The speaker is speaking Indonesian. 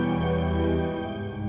mama gak mau berhenti